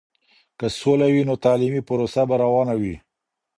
که سوله وي، نو تعلیمي پروسه به روانه وي.